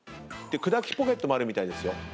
くだきポケットもあるみたいですよ。